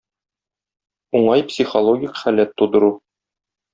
Уңай психологик халәт тудыру.